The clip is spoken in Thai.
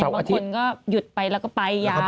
บางคนก็หยุดไปแล้วก็ไปยาว